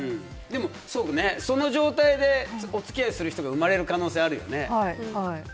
でもその状態でお付き合いする人が生まれる可能性あるよね。